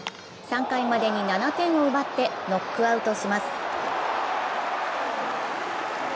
３回までに７点を奪ってノックアウトします。